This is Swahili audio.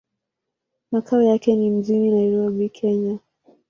Makao yake mjini Nairobi, Kenya.